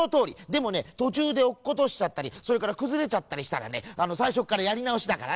でもねとちゅうでおっことしちゃったりそれからくずれちゃったりしたらねさいしょからやりなおしだからね。